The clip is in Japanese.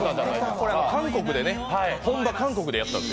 これは本場韓国でやったんです。